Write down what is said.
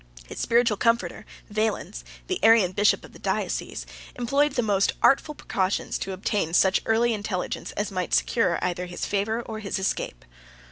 His spiritual comforter, Valens, the Arian bishop of the diocese, employed the most artful precautions to obtain such early intelligence as might secure either his favor or his escape.